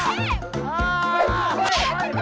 ช่วยกับพ่อ